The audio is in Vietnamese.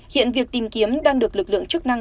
hiện việc tìm kiếm đang được lực lượng chức năng